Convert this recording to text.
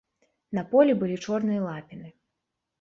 На полі былі чорныя лапіны.